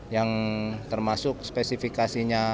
yang termasuk spesifikasinya